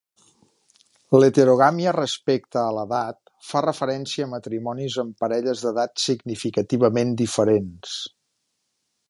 L'heterogàmia respecte a l'edat fa referència a matrimonis amb parelles d'edat significativament diferents.